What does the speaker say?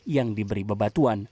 yang diberi bebatuan